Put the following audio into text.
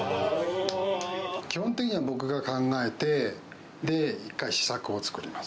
基本的には僕が考えて、一回、試作を作ります。